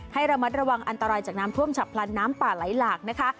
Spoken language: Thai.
ให้ระมัดระวังอันตรายจากน้ำท่วมฉับพลันน้ำป่าไหลหลากนะคะ